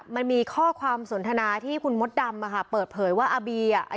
มันมีข้อความสนทนาที่คุณมดดำอ่ะค่ะเปิดเผยว่าอาบีอ่ะ